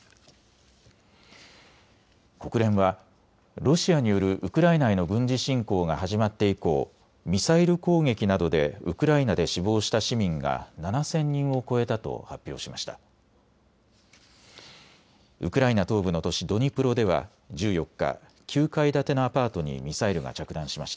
国連はロシアによるウクライナへの軍事侵攻が始まって以降、ミサイル攻撃などでウクライナで死亡した市民が７０００人を超えたと発表しました。